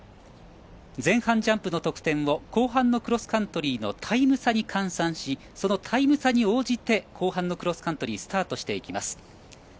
前半ジャンプの得点を後半のクロスカントリーのタイム差に換算しそのタイム差に応じて後半のクロスカントリースタートしていきます。